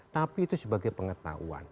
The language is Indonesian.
tapi itu sebagai pengetahuan